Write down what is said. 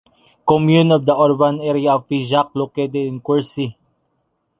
Commune of the urban area of Figeac located in Quercy.